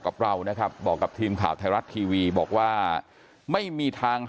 กับเรานะครับบอกกับทีมข่าวไทยรัฐทีวีบอกว่าไม่มีทาง